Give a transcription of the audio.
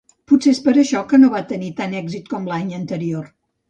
Potser és per això que no va tenir tant d'èxit com l'any anterior.